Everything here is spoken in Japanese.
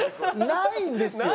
ないんですよ！